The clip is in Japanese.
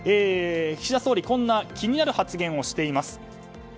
岸田総理こんな気になる発言をしています。